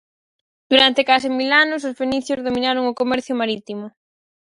Durante case mil anos os fenicios dominaron o comercio marítimo.